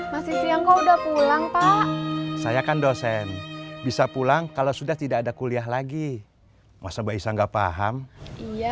pulang pak saya kan dosen bisa pulang kalau sudah tidak ada kuliah lagi masa bisa nggak paham iya